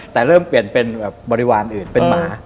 แต่เริ่มเปลี่ยนเป็นบริวารอื่นเป็นหมา